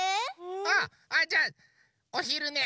あじゃあおひるね！